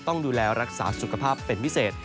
ต้องดูแลรักษาสุขภาพเป็นพิเศษ